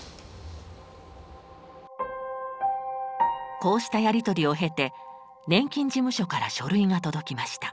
こうしたやり取りを経て年金事務所から書類が届きました。